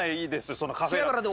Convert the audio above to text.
そのカフェラテ。